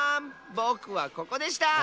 ぼくはここでした！